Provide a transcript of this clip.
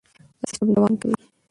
دا سیستم دوام کوي.